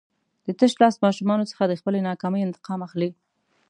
د تشلاس ماشومانو څخه د خپلې ناکامۍ انتقام اخلي.